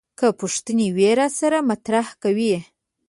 که پوښتنې وي راسره مطرح کوي.